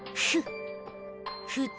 ふっ。